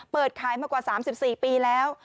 เปิดขายมากว่า๓๔ปีแล้ว